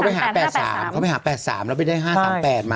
ไม่เขาไปหา๘๓๓แล้วไปได้๕๓๘มั้ง